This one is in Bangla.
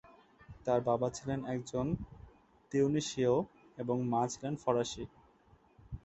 তার বাবা ছিলেন একজন তিউনিসীয় এবং মা ছিলেন ফরাসি।